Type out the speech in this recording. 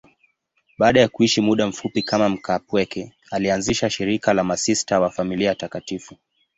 Baada ya kuishi muda mfupi kama mkaapweke, alianzisha shirika la Masista wa Familia Takatifu.